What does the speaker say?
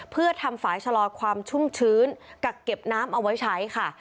เพื่อทำฝ่ายชะลอความชุ่มชื้นกักเก็บน้ำเอาไว้ใช้ค่ะ